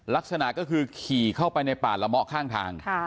ลักษณะก็คือขี่เข้าไปในป่าละเมาะข้างทาง